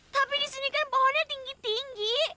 tapi disini kan pohonnya tinggi tinggi